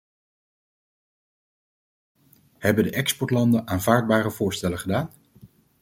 Hebben de exportlanden aanvaardbare voorstellen gedaan?